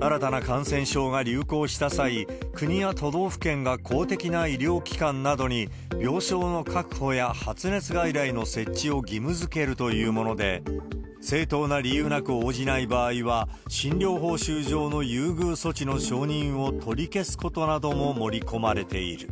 新たな感染症が流行した際、国や都道府県が公的な医療機関などに病床の確保や発熱外来の設置を義務づけるというもので、正当な理由なく応じない場合は、診療報酬上の優遇措置の承認を取り消すことなども盛り込まれている。